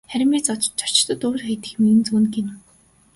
Харин би зочдод ууж идэх юмыг нь зөөнө гэнэ.